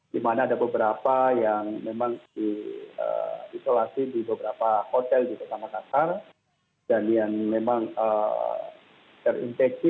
di mana ada beberapa yang memang diisolasi di beberapa hotel di kota makassar dan yang memang terinfeksi